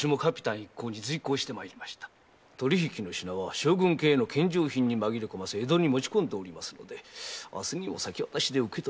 取り引きの品は将軍家への献上品に紛れ込ませ江戸に持ち込んでおりますので明日にも先渡しで受け取ります。